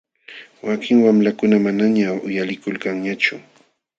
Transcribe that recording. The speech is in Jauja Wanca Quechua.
Wakin wamlakuna manañaq uyalikulkanñachum.